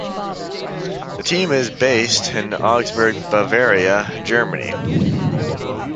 The team is based in Augsburg, Bavaria, Germany.